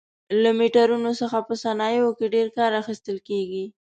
له میټرونو څخه په صنایعو کې ډېر کار اخیستل کېږي.